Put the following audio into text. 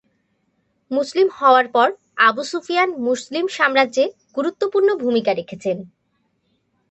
মুসলিম হওয়ার পর Abu Sufyan মুসলিম সাম্রাজ্যে গুরুত্বপূর্ণ ভূমিকা রেখেছেন।